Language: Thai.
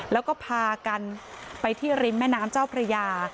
แล้วก็พากันไปที่ริมแม่น้ำเจ้าพระยา